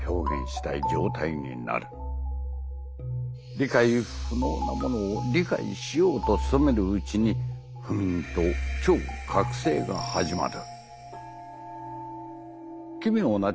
「理解不能なものを理解しようと努めるうちに不眠と超覚醒がはじまる」。